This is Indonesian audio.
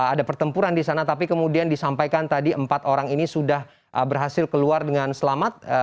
ada pertempuran di sana tapi kemudian disampaikan tadi empat orang ini sudah berhasil keluar dengan selamat